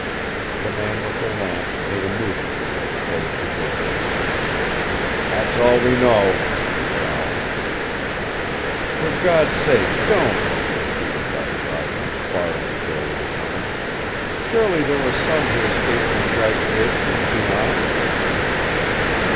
The man with the lamp made a movement as if to close the door. "That's all we know," he growled. "For God's sake don't!" entreated Jolly Roger, barring the door with his arm. "Surely there were some who escaped from Cragg's Ridge and beyond!"